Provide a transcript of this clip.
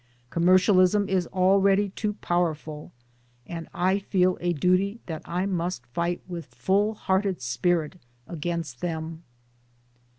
Commercialism is already too powerful ; and I feel a duty that I must fight with full hearted spirit against them."